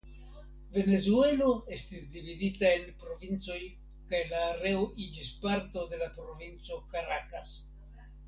Venezuelo estis dividita en provincojn kaj la areo iĝis parto de provinco Karakas.